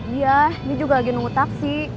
dia ini juga lagi nunggu taksi